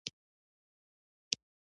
اوس د سیند غیږ کې ډوبیږې